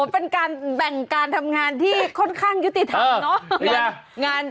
เป็นการแบ่งการทำงานที่ค่อนข้างยุติธรรมเนอะ